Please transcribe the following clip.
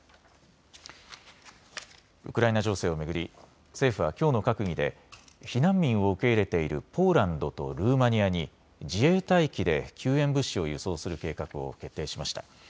ウクライナ情勢を巡り政府はきょうの閣議で避難民を受け入れているポーランドとルーマニアに自衛隊機で救援物資を輸送する計画を決定しました。